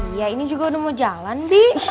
iya ini juga udah mau jalan bi